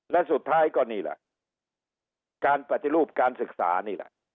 และสุดท้ายก็นี่แหละการปฏิรูปการศึกษานี่แหละ